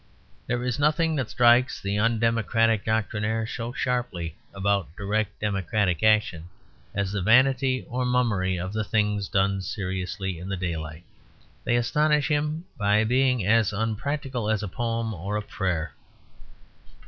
There is nothing that strikes the undemocratic doctrinaire so sharply about direct democratic action as the vanity or mummery of the things done seriously in the daylight; they astonish him by being as unpractical as a poem or a prayer.